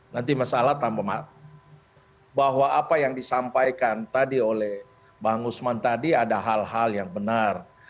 nanti masalah tambah bahwa apa yang disampaikan tadi oleh bang usman tadi ada hal hal yang benar